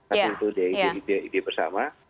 satu ide ide bersama